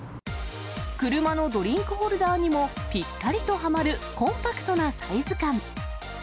車のドリンクホルダーにもぴったりとはまるコンパクトなサイズ感。